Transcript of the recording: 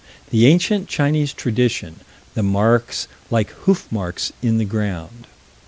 The ancient Chinese tradition the marks like hoof marks in the ground.